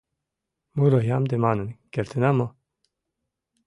Муро ямде манын кертына мо?